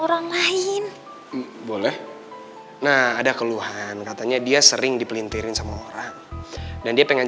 orang lain boleh nah ada keluhan katanya dia sering dipelintirin sama orang dan dia pengen